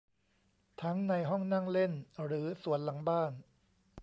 ทั้งในห้องนั่งเล่นหรือสวนหลังบ้าน